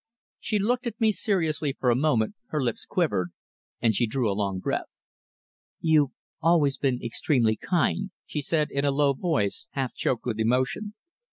She looked at me seriously for a moment, her lips quivered, and she drew a long breath. "You've always been extremely kind," she said in a low voice, half choked with emotion.